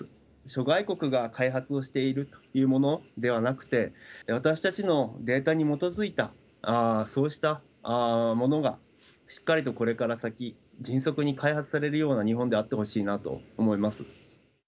諸外国が開発をしているというものではなくて、私たちのデータに基づいた、そうしたものがしっかりとこれから先、迅速に開発されるような日本であってほしいなと思います。